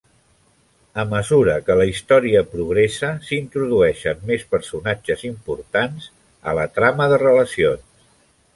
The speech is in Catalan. A mesura que la història progressa, s'introdueixen més personatges importants a la trama de relacions.